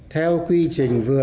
theo quy trình vừa